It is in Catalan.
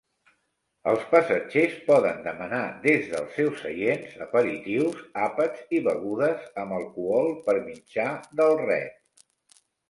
Els passatgers poden demanar des dels seus seients aperitius, àpats i begudes amb alcohol per mitjà del "Red".